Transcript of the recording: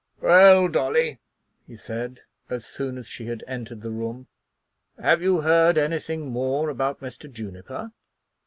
"Well, Dolly," he said, as soon as she had entered the room, "have you heard any thing more about Mr. Juniper?"